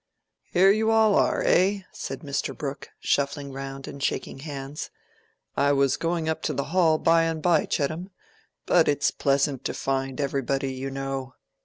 "Here you all are, eh?" said Mr. Brooke, shuffling round and shaking hands. "I was going up to the Hall by and by, Chettam. But it's pleasant to find everybody, you know.